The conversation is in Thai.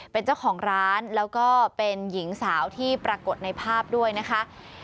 เป็นเจ้าของร้านแล้วก็เป็นหญิงสาวที่ปรากฏในภาพด้วยนะคะ